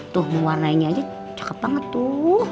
tuh mewarnai nya aja cakep banget tuh